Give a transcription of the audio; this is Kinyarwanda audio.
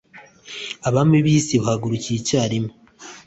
abami b'isi bahagurukiye icyarimwe